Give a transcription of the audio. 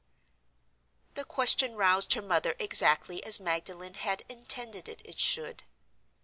The question roused her mother exactly as Magdalen had intended it should.